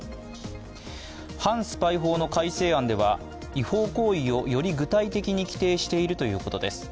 反スパイ法の改正案では違法行為をより具体的に規定しているということです。